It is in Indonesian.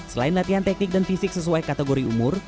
selain latihan teknik dan fisik sesuai kategori umur